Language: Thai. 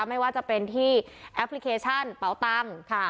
ไม่ว่าจะเป็นที่แอปพลิเคชันเป๋าตังค์